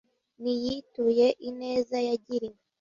ntiyituye ineza yagiriwe .